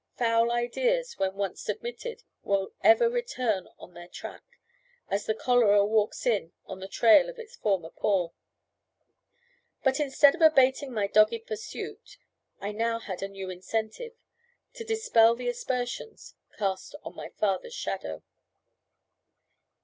Foul ideas when once admitted will ever return on their track, as the cholera walks in the trail of its former pall. But instead of abating my dogged pursuit, I now had a new incentive to dispel the aspersions cast on my father's shadow.